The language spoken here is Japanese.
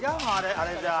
あれじゃあ。